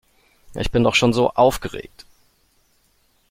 Ich bin doch schon so aufgeregt.